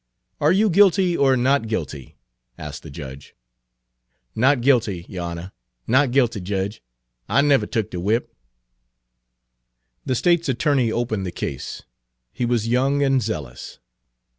"Are you guilty or not guilty?" asked the judge. "Not guilty, yo' Honah; not guilty, Jedge. I never tuck de whip." The State's attorney opened the case. He was young and zealous.